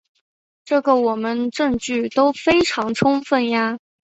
这个我们证据都非常充分呀。